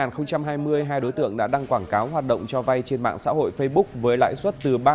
các đối tượng đã đăng quảng cáo hoạt động cho vay trên mạng xã hội facebook với lãi suất từ ba